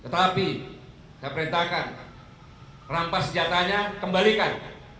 tetapi saya perintahkan rampas senjatanya kembalikan